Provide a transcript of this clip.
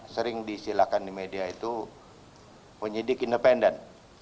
sering disilahkan di media itu penyidik independen